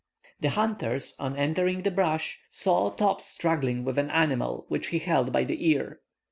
The hunters, on entering the brush, saw Top struggling with an animal which he held by the ear.